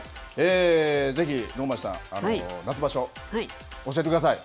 ぜひ、能町さん夏場所、教えてください。